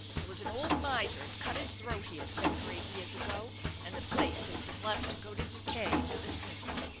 There was an old miser as cut his throat here seven or eight year ago, and the place has been left to go to decay ever since.